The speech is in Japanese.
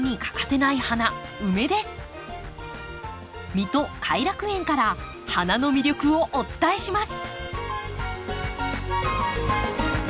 水戸偕楽園から花の魅力をお伝えします。